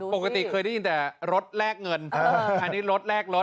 ปกติเคยได้ยินแต่รถแลกเงินอันนี้รถแลกรถ